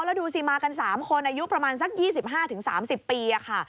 แล้วดูสิมากัน๓คนอายุประมาณสัก๒๕๓๐ปีค่ะ